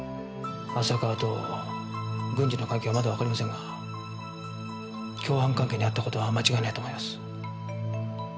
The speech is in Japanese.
浅川と軍司の関係はまだわかりませんが共犯関係にあった事は間違いないと思います。